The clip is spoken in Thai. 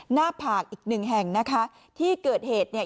หน้าผากอีกหนึ่งแห่งนะคะที่เกิดเหตุเนี่ย